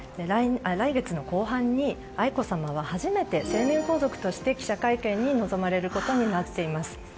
来月後半に愛子さまは初めて成年皇族として記者会見に臨まれることになっています。